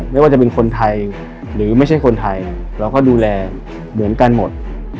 ไม่ว่าจะเป็นคนไทยหรือไม่ใช่คนไทยเราก็ดูแลเหมือนกันหมด